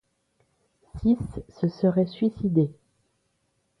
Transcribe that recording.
Six se seraient suicidés.